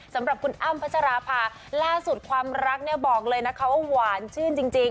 สำหรับคุณอ้ำพัชราภาล่าสุดความรักเนี่ยบอกเลยนะคะว่าหวานชื่นจริง